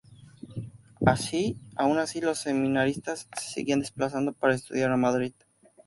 Aun así, los seminaristas se seguían desplazando para estudiar a Madrid.